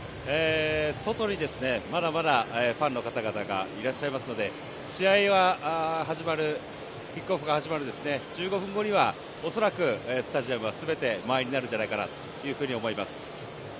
外にまだまだファンの方々がいらっしゃいますので試合が始まるキックオフの始まる１５分後には恐らく、スタジアムはすべて満員になるんじゃないかと思います。